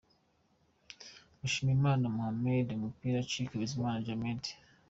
Mushimiyimana Mohammed ku mupira acika Bizimana Djihad.